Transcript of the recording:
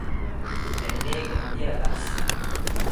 Elle naît et grandit à La Paz.